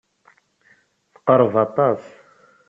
Teqreb aṭas.